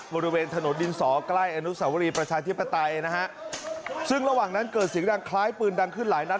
บริเวณถนนดินสอใกล้อนุสาวรีประชาธิปไตยนะฮะซึ่งระหว่างนั้นเกิดเสียงดังคล้ายปืนดังขึ้นหลายนัด